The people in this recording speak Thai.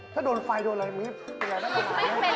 ถ้าโดนไฟโดนอะไรมีเป็นอะไรรู้หรือ